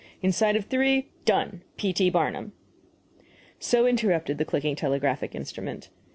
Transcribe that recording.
Inside of three " Done. P. T. BARNUM. So interrupted the clicking telegraphic instrument.